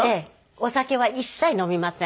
お酒は一切飲みません。